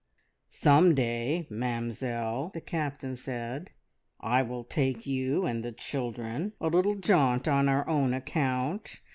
"Some day, Mamzelle," the Captain said, "I will take you and the children a little jaunt on our own account.